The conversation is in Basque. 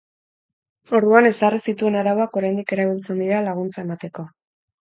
Orduan ezarri zituen arauak oraindik erabiltzen dira laguntza emateko.